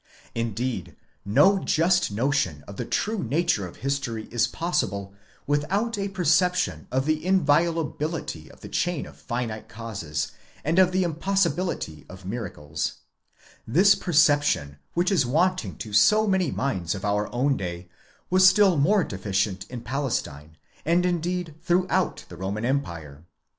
Indeed no just notion of the true nature of history is possible, without a per ception of the inviolability of the chain of finite causes, and of the impossi DEVELOPMENT OF THE MYTHICAL POINT OF VIEW. γι bility of miracles. This perception which is wanting to so many minds of our own day was still more deficient in Palestine, and indeed throughout the Roman empire.